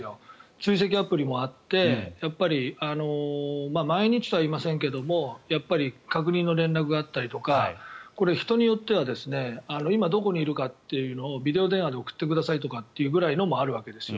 追跡アプリもあって毎日とはいいませんがやっぱり確認の連絡があったりとかこれ、人によっては今どこにいるのかというのをビデオ電話で送ってくださいとかっていうのもあるわけですよ。